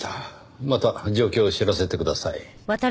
また状況を知らせてください。